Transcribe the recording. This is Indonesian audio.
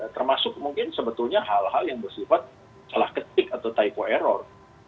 termasuk mungkin sebetulnya hal hal yang bersifat salah ketik atau tyco error